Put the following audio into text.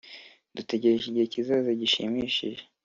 Dutegereje igihe kizaza gishimishije